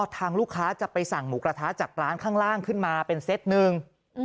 ทางลูกค้าจะไปสั่งหมูกระทะจากร้านข้างล่างขึ้นมาเป็นเซตหนึ่ง